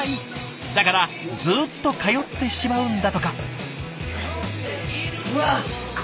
だからずっと通ってしまうんだとか。